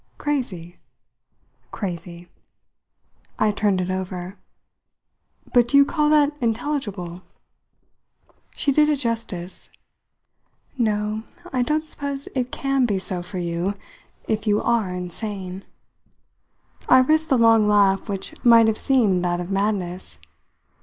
"Crazy?" "Crazy." I turned it over. "But do you call that intelligible?" She did it justice. "No: I don't suppose it can be so for you if you are insane." I risked the long laugh which might have seemed that of madness.